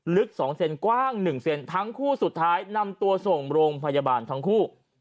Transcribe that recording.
ลึก๒เซนกว้าง๑เซนทั้งคู่สุดท้ายนำตัวส่งโรงพยาบาลทั้งคู่